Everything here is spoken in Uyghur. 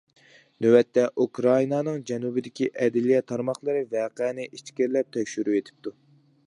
نۆۋەتتە، ئۇكرائىنانىڭ جەنۇبىدىكى ئەدلىيە تارماقلىرى ۋەقەنى ئىچكىرىلەپ تەكشۈرۈۋېتىپتۇ.